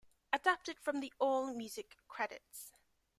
Adapted from the AllMusic credits.